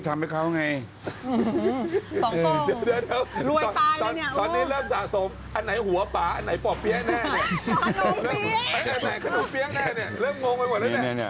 แล้วก็ขว้างหัวพ่อเราด้วย